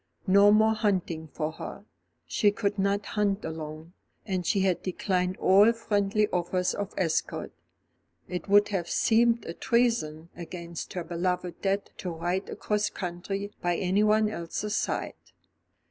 No more hunting for her. She could not hunt alone, and she had declined all friendly offers of escort. It would have seemed a treason against her beloved dead to ride across country by anyone else's side.